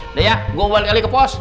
udah ya gue balik lagi ke pos